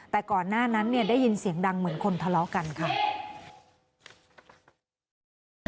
แต่ก่อนหน้านั้นได้ยินเสียงดังเหมือนคนทะเลาะกันค่ะ